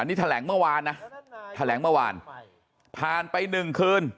นี่แถลงเมื่อวานนะแถลงเมื่อวานผ่านไปหนึ่งคืน